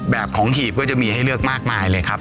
แบบของหีบก็จะมีให้เลือกมากมายเลยครับ